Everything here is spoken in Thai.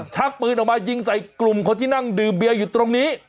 ชักปืนออกมายิงใส่กลุ่มคนที่นั่งดื่มเบียร์อยู่ตรงนี้